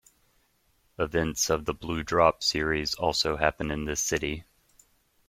Events of the "Blue Drop" series also happen in this city.